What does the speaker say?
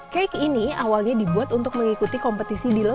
cake ini awalnya dibuat untuk mengikuti kompetisi di lokal